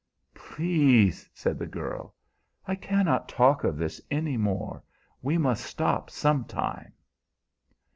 "Please!" said the girl. "I cannot talk of this any more. We must stop sometime."